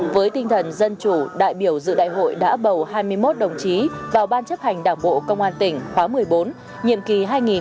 với tinh thần dân chủ đại biểu dự đại hội đã bầu hai mươi một đồng chí vào ban chấp hành đảng bộ công an tỉnh khóa một mươi bốn nhiệm kỳ hai nghìn hai mươi hai nghìn hai mươi năm